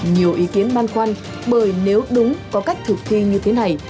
nhiều ý kiến băn khoăn bởi nếu đúng có cách thực thi như thế này